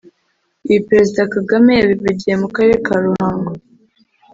Ibi Perezida Kagame yabivugiye mu Karere ka Ruhango